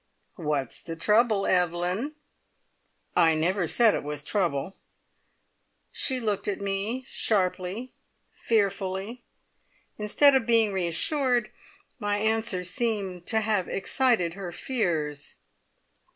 What's the trouble, Evelyn?" "I never said it was trouble." She looked at me sharply, fearfully. Instead of being reassured, my answer seemed to have excited her fears.